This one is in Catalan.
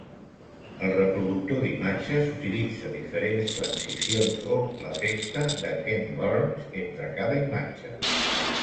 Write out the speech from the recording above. El reproductor d'imatges utilitza diferents transicions o l'efecte de Ken Burns entre cada imatge.